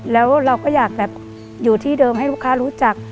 แล้วเราก็อยากอยู่ที่เดิมให้ลูกค้ารู้จัก